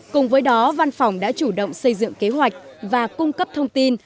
cùng với đó văn phòng đã chủ động xây dựng kế hoạch và cung cấp thông tin